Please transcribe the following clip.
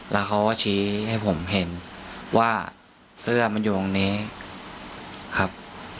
แล้วเขาก็ชี้ให้ผมเห็นว่าเสื้อมันอยู่ตรงนี้ครับ